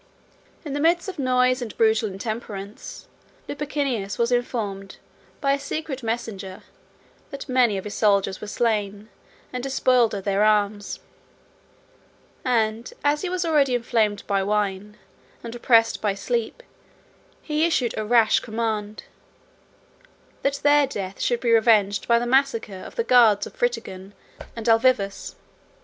In the midst of noise and brutal intemperance, Lupicinus was informed, by a secret messenger, that many of his soldiers were slain, and despoiled of their arms; and as he was already inflamed by wine, and oppressed by sleep he issued a rash command, that their death should be revenged by the massacre of the guards of Fritigern and Alavivus.